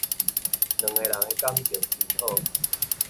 兩个人的感情真好